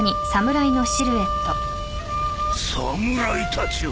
侍たちを。